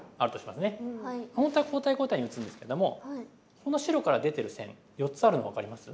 本当は交代交代に打つんですけどもこの白から出てる線４つあるの分かります？